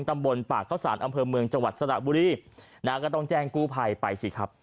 ตำบลปากเข้าสารอำเภอเมืองจังหวัดสระบุรีนะฮะก็ต้องแจ้งกู้ภัยไปสิครับ